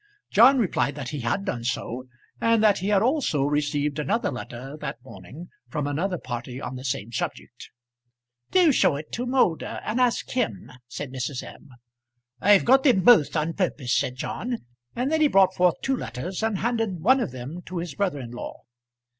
John replied that he had done so, and that he had also received another letter that morning from another party on the same subject. "Do show it to Moulder, and ask him," said Mrs. M. "I've got 'em both on purpose," said John; and then he brought forth two letters, and handed one of them to his brother in law.